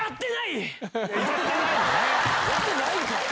やってないのね！